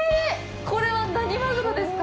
これは何マグロですか？